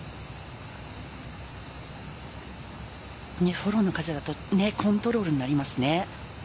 フォローの風だとコントロールになりますね。